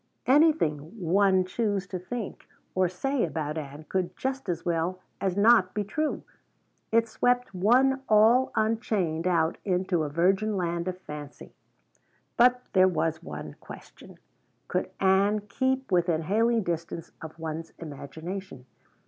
Anything one choose to think or say about Ann could just as well as not be true. It swept one all unchained out into a virgin land of fancy. There was but one question. Could Ann keep within hailing distance of one's imagination?